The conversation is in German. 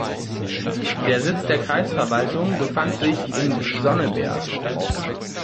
Der Sitz der Kreisverwaltung befand sich in Sonneberg.